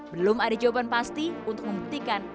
belum ada jawaban pasti untuk membuktikan